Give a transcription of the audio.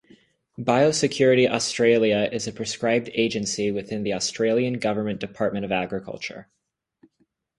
Biosecurity Australia is a prescribed agency within the Australian Government Department of Agriculture.